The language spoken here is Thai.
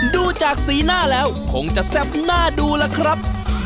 ดูจากสีหน้าแล้วคงจะแซ่บหน้าดูล่ะครับ